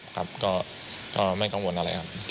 ก็ไม่กังวลอะไรครับ